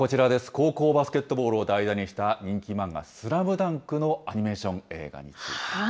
高校バスケットボールを題材にした人気漫画、スラムダンクのアニメーション映画についてですが。